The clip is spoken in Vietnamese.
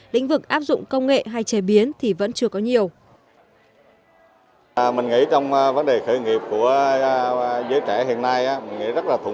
lĩnh vực áp dụng công nghệ hay chế biến thì vẫn chưa có nhiều